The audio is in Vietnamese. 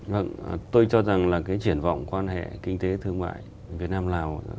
vâng tôi cho rằng là cái triển vọng quan hệ kinh tế thương mại việt nam lào